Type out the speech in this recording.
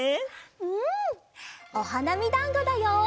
うんおはなみだんごだよ！